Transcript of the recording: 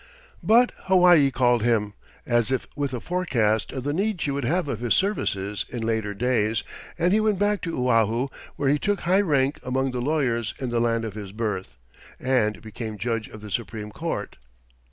But Hawaii called him, as if with a forecast of the need she would have of his services in later days, and he went back to Oahu, where he took high rank among the lawyers in the land of his birth, and became judge of the Supreme Court.